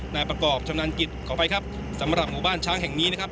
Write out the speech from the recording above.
นายประกอบชำนาญกิจขออภัยครับสำหรับหมู่บ้านช้างแห่งนี้นะครับ